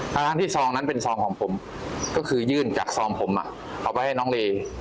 ทั้งที่ซองนั้นเป็นซองของผมก็คือยื่นจากซองผมเอาไว้ให้น้องเล